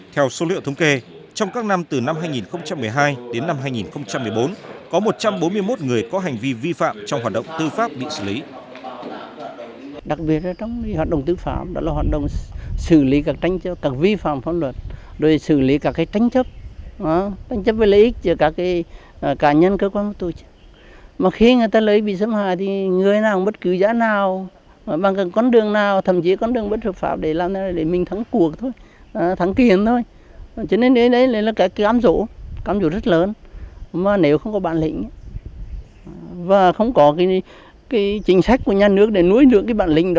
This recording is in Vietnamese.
theo số liệu thống kê trong các năm từ năm hai nghìn một mươi hai đến năm hai nghìn một mươi bốn có một trăm bốn mươi một người có hành vi vi phạm trong hoạt động tư pháp bị xử lý